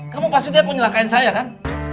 kamu pasti lihat menyelakain saya kan